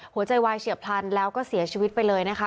หัวใจวายเฉียบพลันแล้วก็เสียชีวิตไปเลยนะคะ